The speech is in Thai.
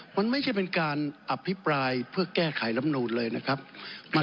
มันไม่ใช่เป็นการอภิปรายเพื่อแก้ไขลำนูนเลยนะครับ